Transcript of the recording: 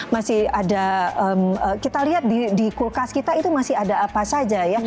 masih ada kita lihat di kulkas kita itu masih ada apa saja ya